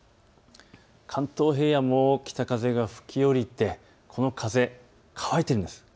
関東平野も北風が吹き降りてこの風、乾いているんです。